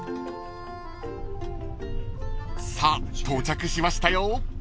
［さあ到着しましたよ］